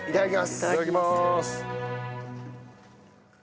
いただきます。